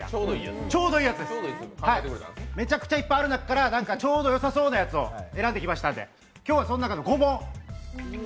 ちょうどいいやつです、めちゃくちゃいっぱいある中からちょうどよさそうなやつを選んできましたので、今日はその中の５問。